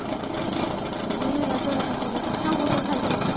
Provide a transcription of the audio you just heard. こういう野鳥の写真がたくさん保存されてます。